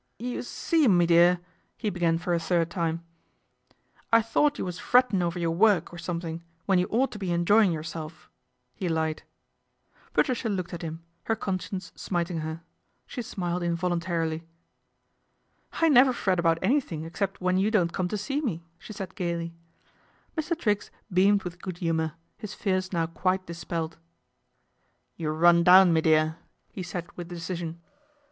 ' You see, me dear," he began for a third time, ' I thought you was frettin' over your work or something, when you ought to be enjoyin' your self," he lied. Patricia looked at him, her conscience smiting ler. She smiled involuntarily. " I never fret about anything except when you ion't come to see me," she said gaily. Mr. Triggs beamed with good humour, his fears low quite dispelled. " You're run down, me dear," he said with 238 PATRICIA BRENT, SPINSTER decision.